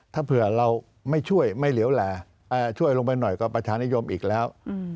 ถ้าเผื่อเราไม่ช่วยไม่เหลวแหลช่วยลงไปหน่อยก็ประชานิยมอีกแล้ว